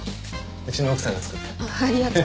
うちの奥さんが作った。